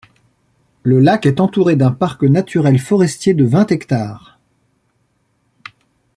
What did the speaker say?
Le lac est entouré d’un parc naturel forestier de vingt hectares.